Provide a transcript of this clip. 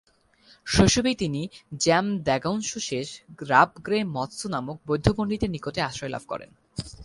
শৈশবেই তিনি 'জাম-দ্ব্যাংস-শেস-রাব-র্গ্যা-ম্ত্শো নামক বৌদ্ধ পণ্ডিতের নিকটে আশ্রয় লাভ করেন।